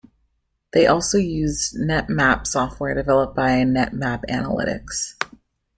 They also used "NetMap" software developed by NetMap Analytics.